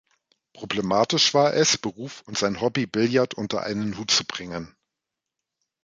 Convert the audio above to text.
Problematisch war es, Beruf und sein Hobby Billard unter einen Hut zu bringen.